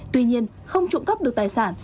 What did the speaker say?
tuy nhiên không trộm cắp được tài sản